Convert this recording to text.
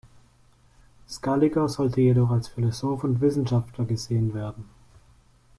Scaliger sollte jedoch als Philosoph und Wissenschaftler gesehen werden.